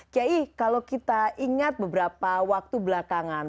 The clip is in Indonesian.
kiai kalau kita ingat beberapa waktu belakangan